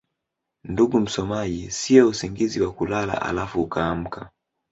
ndugu msomaji siyo usingizi wa kulala alafu ukaamka